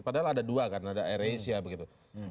padahal ada dua kan ada air asia begitu